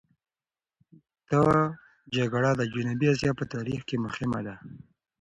دا جګړه د جنوبي اسیا په تاریخ کې مهمه ده.